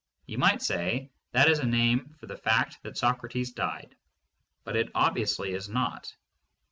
You might say, that is a name for the fact that Socrates died. But it obviously is not.